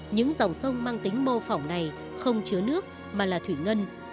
những dòng sông mang tính mô phỏng này không chứa nước mà là thủy ngân